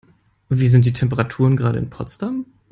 Wie sind die Temperaturen gerade in Potsdam?